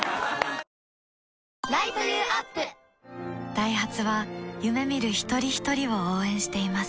ダイハツは夢見る一人ひとりを応援しています